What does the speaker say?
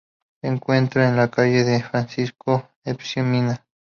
Se encuentra en la calle de Francisco Espoz y Mina.